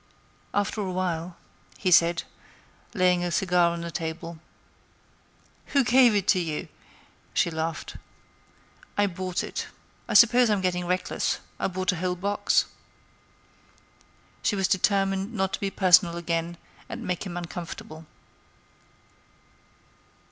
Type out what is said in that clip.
"After a while," he said, laying a cigar on the table. "Who gave it to you?" she laughed. "I bought it. I suppose I'm getting reckless; I bought a whole box." She was determined not to be personal again and make him uncomfortable.